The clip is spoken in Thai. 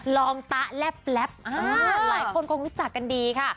ลองตะแลบหลายคนคงรู้จักกันดีค่ะ